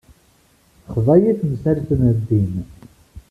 Texḍa-yi temsalt n ddin.